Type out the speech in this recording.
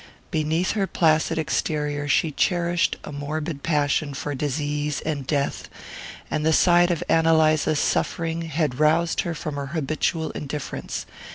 Beneath her placid exterior she cherished a morbid passion for disease and death, and the sight of Ann Eliza's suffering had roused her from her habitual indifference.